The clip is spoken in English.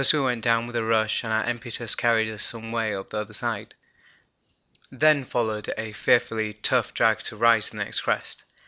Thus we went down with a rush and our impetus carried us some way up the other side; then followed a fearfully tough drag to rise the next crest.